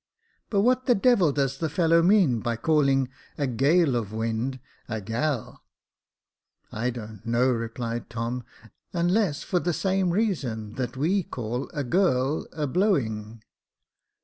But what the devil does the fellow mean by calling a gale of wind — a gal ?"" I don't know," replied Tom, " unless for the same reason that we call a girl a hloiving."